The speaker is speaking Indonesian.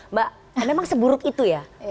mbak memang seburuk itu ya